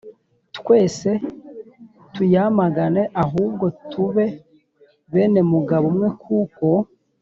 Twese tuyamagane ahubwo tube bene mugabo umwe kuko